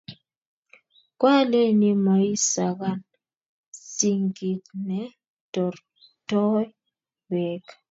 koaleni muisakan sinkit ne tortoi beek